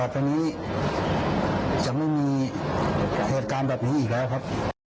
ตอนนี้จะไม่มีเหตุการณ์แบบนี้อีกแล้วครับ